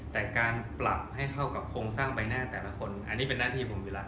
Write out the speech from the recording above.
แต่การปรับให้เข้ากับโครงสร้างใบหน้าแต่ละคนอันนี้เป็นหน้าที่ผมอยู่แล้ว